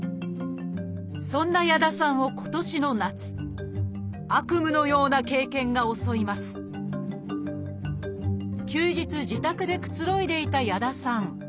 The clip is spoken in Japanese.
そんな矢田さんを今年の夏悪夢のような経験が襲います休日自宅でくつろいでいた矢田さん。